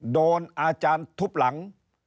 โดนอาจารย์ทุบหลัง